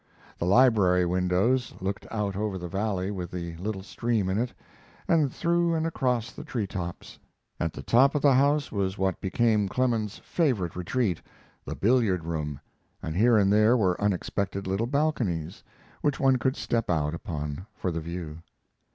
The library windows looked out over the valley with the little stream in it, and through and across the tree tops. At the top of the house was what became Clemens's favorite retreat, the billiard room, and here and there were unexpected little balconies, which one could step out upon for the view.